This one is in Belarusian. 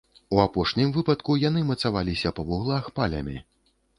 У апошнім выпадку яны мацаваліся па вуглах палямі.